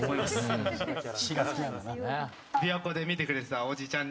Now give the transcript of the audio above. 琵琶湖で見てくれてたおじちゃんに。